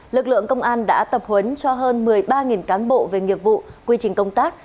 lực lượng công an đã tập huấn cho hơn một mươi ba cán bộ về nghiệp vụ quy trình công tác